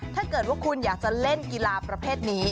ถ้าเกิดว่าคุณอยากจะเล่นกีฬาประเภทนี้